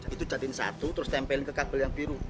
itu jatine satu terus tempelin ke kabel yang biru